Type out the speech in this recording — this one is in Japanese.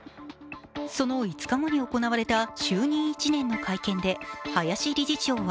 その５日後に行われた就任１年の会見で林理事長は